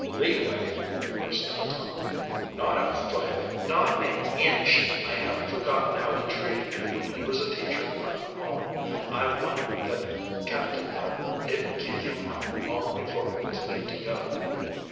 "Leeway?" burst out Tom. "Not a foot! Not an inch! I haven't forgotten how he treated me when he was a teacher at Putnam Hall. I wonder that Captain Putnam didn't kick him out long before he was made to go."